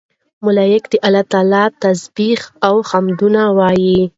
ملائک د الله تسبيح او حمدونه وايي